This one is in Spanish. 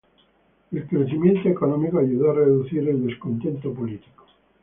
El crecimiento económico ayudó a reducir el descontento político.